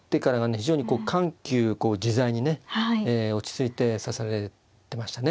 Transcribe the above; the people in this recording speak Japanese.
非常にこう緩急自在にね落ち着いて指されてましたね。